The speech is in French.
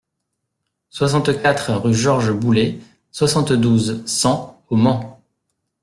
soixante-quatre rue Georges Boullet, soixante-douze, cent au Mans